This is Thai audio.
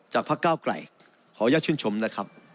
พระเก้าไกลขออนุญาตชื่นชมนะครับ